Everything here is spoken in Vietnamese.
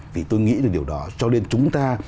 vì tôi nghĩ là điều đó cho nên chúng ta